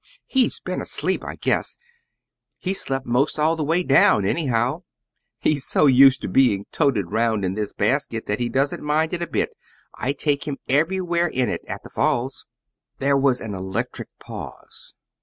"He's been asleep, I guess. He's slept 'most all the way down, anyhow. He's so used to being toted 'round in this basket that he doesn't mind it a bit. I take him everywhere in it at the Falls." There was an electric pause.